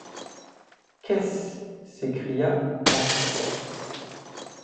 Qu’est-ce s’écria Pencroff